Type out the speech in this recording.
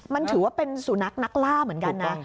มันถือว่าเป็นสุนัขนักล่าเหมือนกันนะ